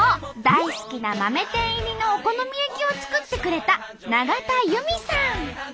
大好きな豆天入りのお好み焼きを作ってくれた永田由美さん！